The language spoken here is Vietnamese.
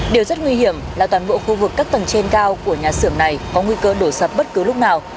điều rất nguy hiểm là toàn bộ khu vực các tầng trên cao của nhà xưởng này có nguy cơ đổ sập bất cứ lúc nào